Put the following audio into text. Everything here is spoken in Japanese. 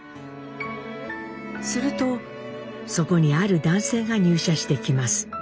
するとそこにある男性が入社してきます。